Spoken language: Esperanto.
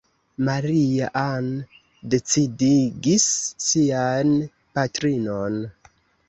Maria-Ann decidigis sian patrinon.